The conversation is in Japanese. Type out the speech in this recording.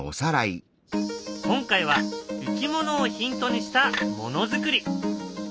今回はいきものをヒントにしたものづくり。